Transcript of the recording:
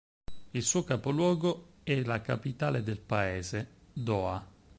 Il suo capoluogo è la capitale del paese, Doha.